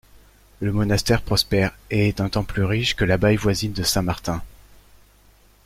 Le monastère prospère et est un temps plus riche que l'abbaye voisine de Saint-Martin.